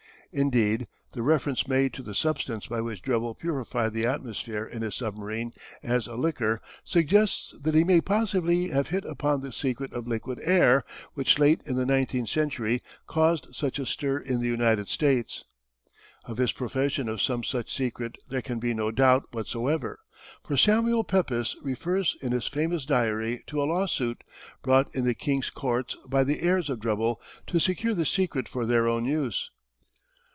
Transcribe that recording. Indeed the reference made to the substance by which Drebel purified the atmosphere in his submarine as "a liquor" suggests that he may possibly have hit upon the secret of liquid air which late in the nineteenth century caused such a stir in the United States. Of his possession of some such secret there can be no doubt whatsoever, for Samuel Pepys refers in his famous diary to a lawsuit, brought in the King's Courts by the heirs of Drebel, to secure the secret for their own use.